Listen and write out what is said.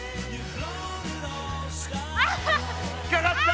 引っ掛かってた！